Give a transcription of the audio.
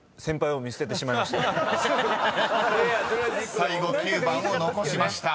［最後９番を残しました］